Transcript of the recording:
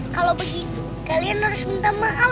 kalau begitu kalian harus minta maaf